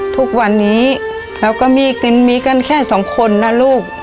ทุกวันนี้เราก็มีกินมีกันแค่สองคนนะลูก